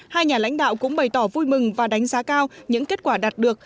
hai nhà lãnh đạo cũng bày tỏ vui mừng và đánh giá cao những kết quả đạt được